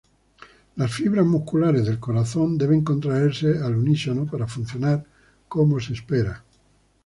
Las fibras musculares del corazón deben contraerse al unísono para funcionar como se espera.